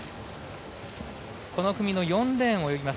この組の４レーンを泳ぎます